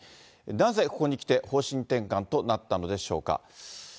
なぜここにきて、方針転換となったのでしょうか。